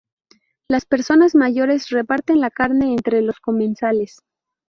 Las personas mayores reparten la carne entre los comensales.